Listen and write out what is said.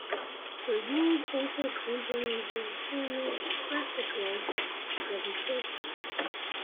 Reviewers also complimented Soma's graphical representation.